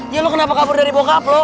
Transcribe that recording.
ya lo kenapa kabur dari bokap lo